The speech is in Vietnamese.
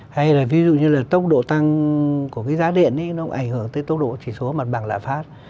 hay là ví dụ như là tốc độ tăng của cái giá điện ấy nó cũng ảnh hưởng tới tốc độ chỉ số mặt bằng lạm phát